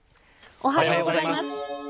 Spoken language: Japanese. おはようございます。